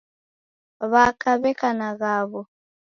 W'aka w'eka na ghawo.